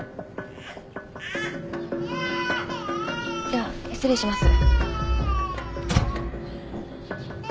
・じゃあ失礼します。